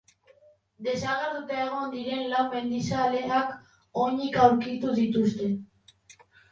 Desagertuta egon diren lau mendizaleak onik aurkitu dituzte.